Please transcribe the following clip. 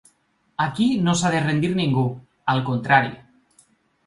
Aquí no s’ha de rendir ningú, al contrari.